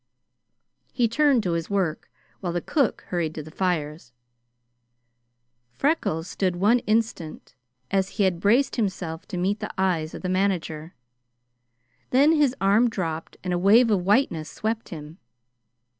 He turned to his work, while the cook hurried to the fires. Freckles stood one instant as he had braced himself to meet the eyes of the manager; then his arm dropped and a wave of whiteness swept him.